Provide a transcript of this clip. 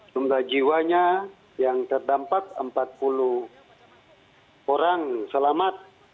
jumlah jiwanya yang terdampak empat puluh orang selamat